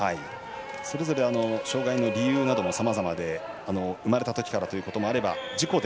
それぞれ、障がいの理由などもさまざまで生まれたときからというのもあれば、事故で